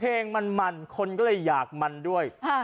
เพลงมันมันคนก็เลยอยากมันด้วย